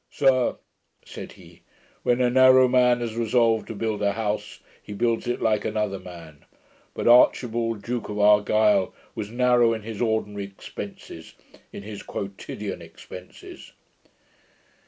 'Sir,' said he, 'when a narrow man has resolved to build a house, he builds it like another man. But Archibald, Duke of Argyle, was narrow in his ordinary expences, in his quotidian expences.'